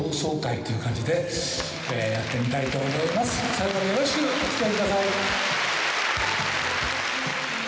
最後までよろしくおつきあいください。